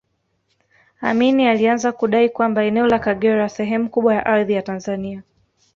Amin alianza kudai kwamba eneo la Kagera sehemu kubwa ya ardhi ya Tanzania